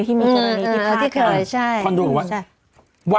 ที่เคยคอนโดกับวัด